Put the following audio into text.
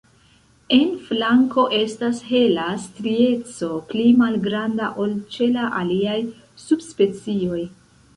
En flanko estas hela strieco pli malgranda ol ĉe la aliaj subspecioj.